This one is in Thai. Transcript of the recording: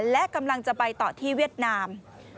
และกำลังจะไปต่อที่เวียดนาม